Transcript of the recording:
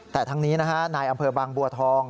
แต่ทั้งนี้นะฮะนายอำเภอบางบัวทอง